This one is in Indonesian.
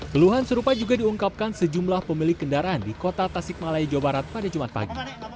keluhan serupa juga diungkapkan sejumlah pemilik kendaraan di kota tasik malaya jawa barat pada jumat pagi